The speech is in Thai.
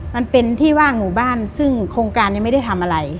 มันเป็นที่ว่างหมู่บ้านซึ่งโครงการยังไม่ได้ทำอะไร